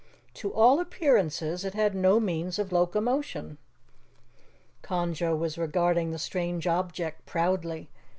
To all appearances it had no means of locomotion. Conjo was regarding the strange object proudly.